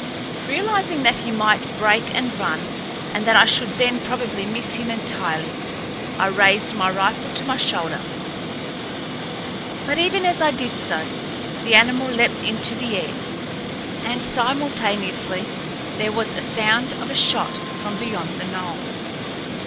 Realizing that he might break and run and that I should then probably miss him entirely, I raised my rifle to my shoulder. But even as I did so the animal leaped into the air, and simultaneously there was a sound of a shot from beyond the knoll.